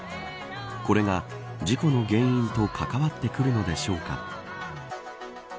これが事故の原因と関わってくるのでしょうか。